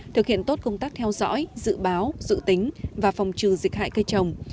thực hiện tốt công tác theo dõi dự báo dự tính và phòng trừ dịch hại cây trồng